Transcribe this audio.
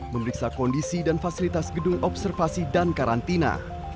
memeriksa kondisi dan fasilitas gedung observasi dan karantina